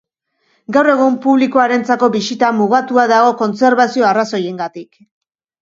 Gaur egun publikoarentzako bisita mugatua dago kontserbazio arrazoiengatik.